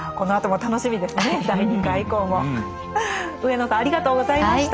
上野さんありがとうございました。